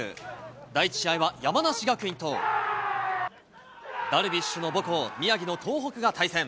第１試合は山梨学院と、ダルビッシュの母校、宮城の東北が対戦。